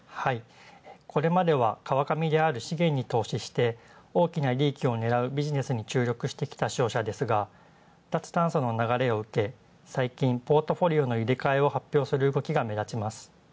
これまでは川上である資源に投資して大きな利益を狙うビジネスに注力してきた商社ですが、脱炭素の流れを受け、最近、ポートフォリオの入れ替えの動きが目立ちます。